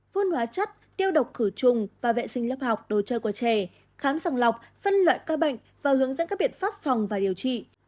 phun hóa chất tiêu độc khử trùng và vệ sinh lớp học đồ chơi của trẻ khám sàng lọc phân loại ca bệnh và hướng dẫn các biện pháp phòng và điều trị